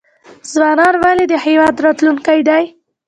ځوانان ولې د هیواد راتلونکی دی؟